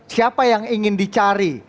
siapa yang ingin dicari